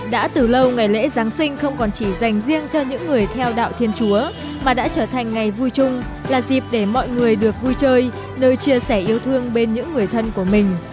đã từ lâu ngày lễ giáng sinh không còn chỉ dành riêng cho những người theo đạo thiên chúa mà đã trở thành ngày vui chung là dịp để mọi người được vui chơi nơi chia sẻ yêu thương bên những người thân của mình